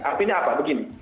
artinya apa begini